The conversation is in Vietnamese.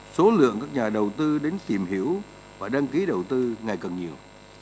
số lượng các nhà đầu tư đến tìm hiểu và đăng ký đầu tư ngày càng nhiều